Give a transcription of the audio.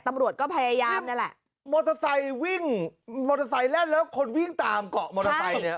ตำรวจก็พยายามนั่นแหละมอเตอร์ไซค์วิ่งมอเตอร์ไซค์แล่นแล้วคนวิ่งตามเกาะมอเตอร์ไซค์เนี่ย